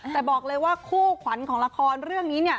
แต่บอกเลยว่าคู่ขวัญของละครเรื่องนี้เนี่ย